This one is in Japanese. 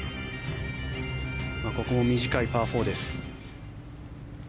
４ここも短いパー４です。